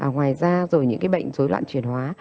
ngoài ra rồi những cái bệnh dối loạn chuyển hóa